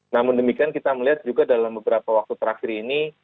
namun demikian kita melihat juga dalam beberapa waktu terakhir ini